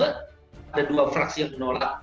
ada dua fraksi yang menolak